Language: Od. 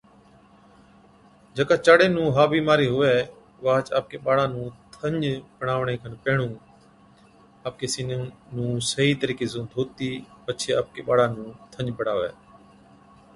جڪا چاڙي نُون ها بِيمارِي هُوَي واهچ آپڪي ٻاڙا نُون ٿَڃ پِڙاوَڻي کن پيهڻُون آپڪي سِيني نُون صحِيح طريقي سُون ڌوتِي پڇي آپڪي ٻاڙا نُون ٿَڃ پِڙاوَي